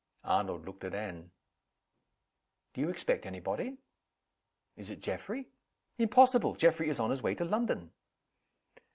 Arnold looked at Anne. "Do you expect any body?" "Is it Geoffrey?" "Impossible. Geoffrey is on his way to London."